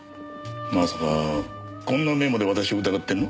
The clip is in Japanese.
まさかこんなメモで私を疑ってるの？